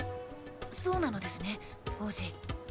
そうなのですね王子。